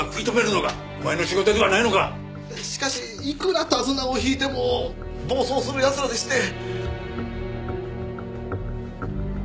しかしいくら手綱を引いても暴走する奴らでして。